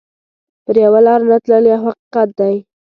پر یوه لار نه تلل یو حقیقت دی.